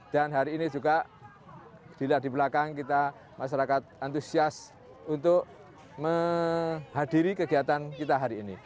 dan hari ini juga dilihat di belakang kita masyarakat antusias untuk menghadiri kegiatan kita hari ini